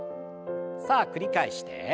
さあ繰り返して。